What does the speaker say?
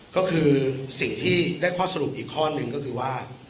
ก็คือสิ่งที่ได้ข้อสรุปอีกข้อหนึ่งก็คือว่า